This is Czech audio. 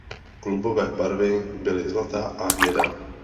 Klubové barvy byly zlatá a hnědá.